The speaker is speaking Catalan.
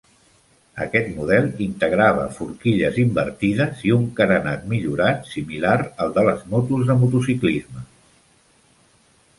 Aquest model integrava forquilles invertides i un carenat millorat, similar al de les motos de motociclisme.